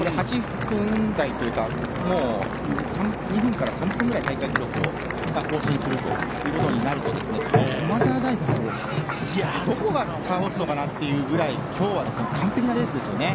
８分台というか２分から３分、大会記録を更新するということになると駒澤大学をどこが倒すのかなというぐらい今日は完璧なレースですよね。